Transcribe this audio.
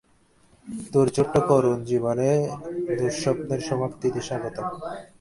তোর ছোট্ট করুণ জীবনের দুঃস্বপ্নের সমাপ্তিতে স্বাগতম।